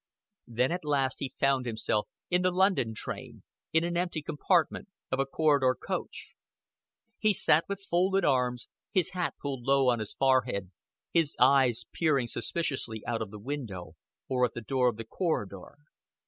Then at last he found himself in the London train, in an empty compartment of a corridor coach. He sat with folded arms, his hat pulled low on his forehead, his eyes peering suspiciously out of the window, or at the door of the corridor.